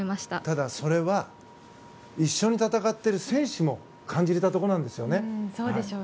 ただそれは一緒に戦っている選手も感じれたところなんですよね。